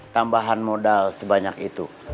tambahan modal sebanyak itu